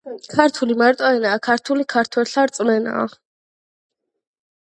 ქართული მარტო ენაა. ქართული ქართველთა რწმენაა.